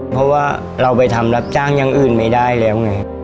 เพราะว่าเราไปทำรับจ้างอย่างอื่นไม่ได้แล้วไง